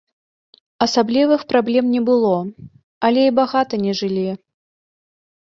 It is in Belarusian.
Асаблівых праблем не было, але і багата не жылі.